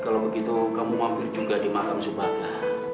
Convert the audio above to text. kalau kalau begitu kamu mampir juga di makam subaka